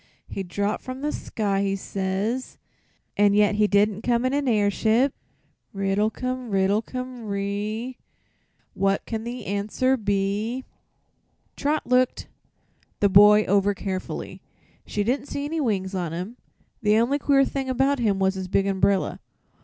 He dropped from the sky, he says, an' yet he did'nt come in a airship! "'Riddlecum, riddlecum ree; What can the answer be?'" Trot looked the boy over carefully. She didn't see any wings on him. The only queer thing about him was his big umbrella.